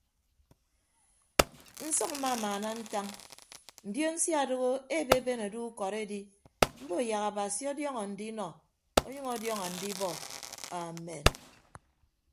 Nsʌk mmamaana ntañ ndion sia adoho ebeeben ado ukọd edi mbo yak abasi ọdiọn andinọ ọnyʌñ ọdiọñ andibọ amen.